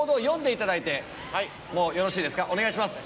はいお願いします